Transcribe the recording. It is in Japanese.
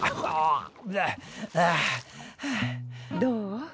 どう？